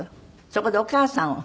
そこでお母さんを。